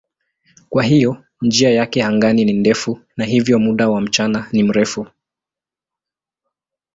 Kwa hiyo njia yake angani ni ndefu na hivyo muda wa mchana ni mrefu.